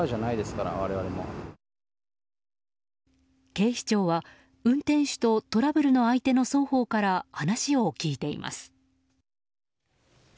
警視庁は、運転手とトラブルの相手の双方から話を聞いています。